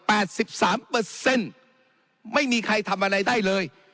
สิบสามเปอร์เซ็นต์ไม่มีใครทำอะไรได้เลย